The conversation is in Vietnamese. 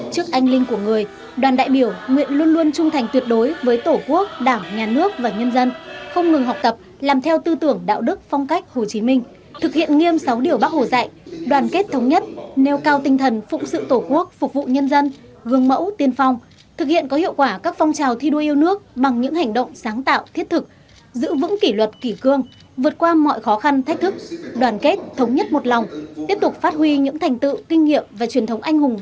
trước anh linh của người đoàn đại biểu nguyện luôn luôn trung thành tuyệt đối với tổ quốc đảng nhà nước và nhân dân không ngừng học tập làm theo tư tưởng đạo đức phong cách hồ chí minh thực hiện nghiêm sáu điều bác hồ dạy đoàn kết thống nhất nêu cao tinh thần phụng sự tổ quốc phục vụ nhân dân gương mẫu tiên phong thực hiện có hiệu quả các phong trào thi đua yêu nước bằng những hành động sáng tạo thiết thực giữ vững kỷ luật kỷ cương vượt qua mọi khó khăn thách thức đoàn kết thống nhất một lòng tiếp tục phát huy những thành